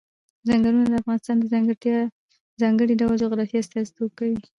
ځنګلونه د افغانستان د ځانګړي ډول جغرافیه استازیتوب کوي.